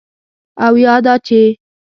او یا دا چې: